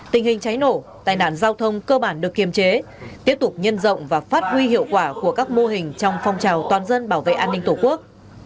tình hình cháy nổ tai nạn giao thông cơ bản được kiềm chế tiếp tục nhân rộng và phát huy hiệu quả của các mô hình trong phong trào toàn dân bảo vệ an ninh tổ quốc